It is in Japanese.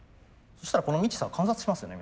そしたらこのミキサー観察しますよね